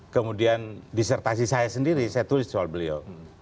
kemudian disertasi saya sendiri saya tulis soal beliau